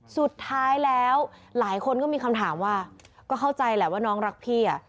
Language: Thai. สุดท้ายแล้วหลายคนก็มีคำถามว่าก็เข้าใจแหละว่าน้องรักพี่อ่ะ